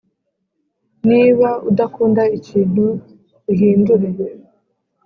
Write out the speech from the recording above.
“niba udakunda ikintu, uhindure”